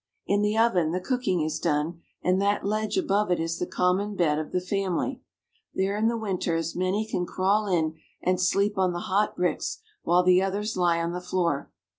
In the oven the cooking is done, and that ledge above it is the common bed of the family. There in the winter as many as can crawl in and sleep on the hot bricks, while the others lie on the floor.